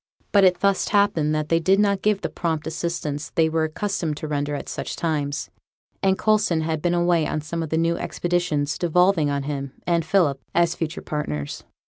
But it thus happened that they did not give the prompt assistance they were accustomed to render at such times; and Coulson had been away on some of the new expeditions devolving on him and Philip as future partners.